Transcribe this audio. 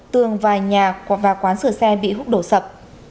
tường vài nhà và quán sửa xe bị hút đổ sập